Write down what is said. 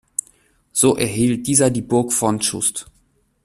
So erhielt dieser die Burg von Chust.